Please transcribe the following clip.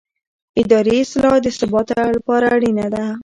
اداري اصلاح د ثبات لپاره اړینه ده